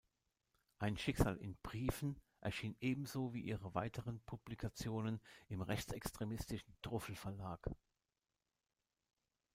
Ein Schicksal in Briefen" erschien ebenso wie ihre weiteren Publikationen im rechtsextremistischen Druffel-Verlag.